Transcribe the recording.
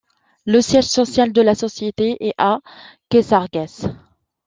Le siège social de la société est à Caissargues.